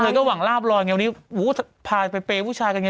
ก็หวังลาบลอยไงวันนี้พาไปเปย์ผู้ชายกันไง